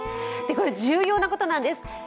重要なことなんです。